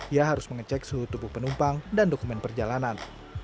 ia harus mengecek suhu tubuh penumpang dan dokumen perjalanan